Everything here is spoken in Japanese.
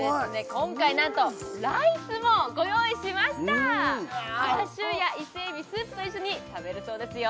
今回なんとライスもご用意しましたチャーシューや伊勢エビスープと一緒に食べるそうですよ